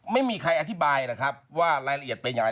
ไม่มีใครอธิบายหรอกครับว่ารายละเอียดเป็นอย่างไร